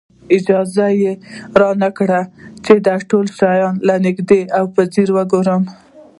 اجازه را نه کړي چې دا ټول شیان له نږدې او په ځیر وګورم.